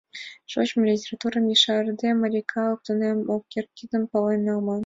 Шочмо литературым ешарыде, марий калык тунем ок керт, тидым пален налман.